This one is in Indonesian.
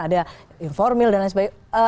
ada informal dan lain sebagainya